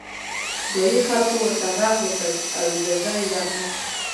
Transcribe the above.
ځايي خلکو ورته غږ وکړ او اجازه یې ورنه کړه.